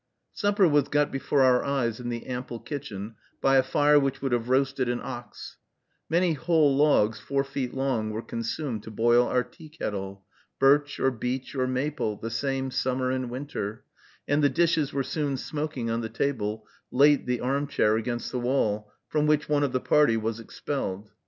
Supper was got before our eyes in the ample kitchen, by a fire which would have roasted an ox; many whole logs, four feet long, were consumed to boil our tea kettle, birch, or beech, or maple, the same summer and winter; and the dishes were soon smoking on the table, late the arm chair, against the wall, from which one of the party was expelled.